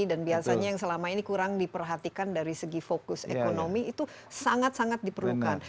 dan biasanya yang selama ini kurang diperhatikan dari segi fokus ekonomi itu sangat sangat diperlukan